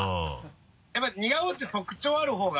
やっぱり似顔絵って特徴ある方が。